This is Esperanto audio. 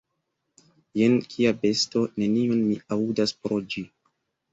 Jen kia besto: nenion mi aŭdas pro ĝi!